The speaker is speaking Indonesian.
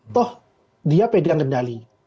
toh dia pegang gendali